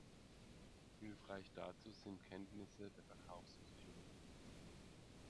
Hilfreich dazu sind Kenntnisse der Verkaufspsychologie.